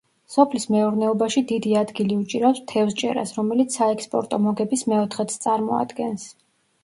სოფლის მეურნეობაში დიდი ადგილი უჭირავს თევზჭერას, რომელიც საექსპორტო მოგების მეოთხედს წარმოადგენს.